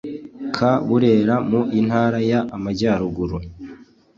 ka burera mu intara y amajyaruguru